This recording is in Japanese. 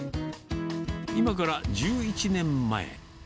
今から１１年前。